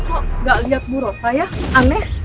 kok gak liat bu rosa ya